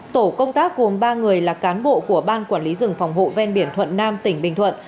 tổ công tác gồm ba người là cán bộ của ban quản lý rừng phòng hộ ven biển thuận nam tỉnh bình thuận